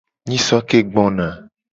Nyiso ke gbona.